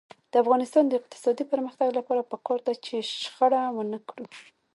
د افغانستان د اقتصادي پرمختګ لپاره پکار ده چې شخړه ونکړو.